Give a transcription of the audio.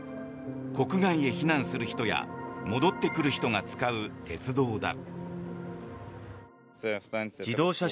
国外へ避難する人や戻ってくる人が使う鉄道だ。